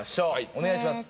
お願いします。